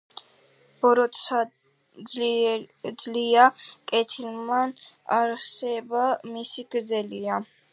ბოროტსა სძლია კეთილმან, არსება მისი გრძელია!